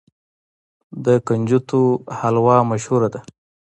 د کنجدو حلوه مشهوره ده.